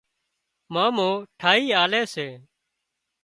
مامو ٺاهِي آلي سي